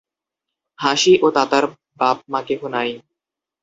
হাসি ও তাতার বাপ মা কেহ নাই।